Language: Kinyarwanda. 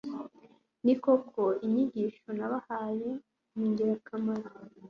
ni koko, inyigisho nabahaye ni ingirakamaro